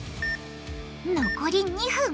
残り２分。